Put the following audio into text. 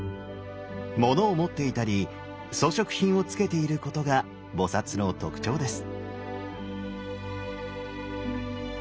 物を持っていたり装飾品をつけていることが菩の特徴です。